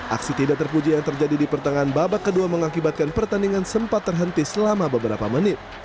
aksi tidak terpuji yang terjadi di pertengahan babak kedua mengakibatkan pertandingan sempat terhenti selama beberapa menit